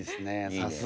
さすが。